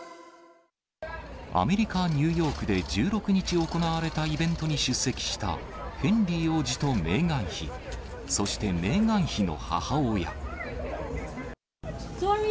アメリカ・ニューヨークで１６日行われたイベントに出席した、ヘンリー王子とメーガン妃、そして、メーガン妃の母親。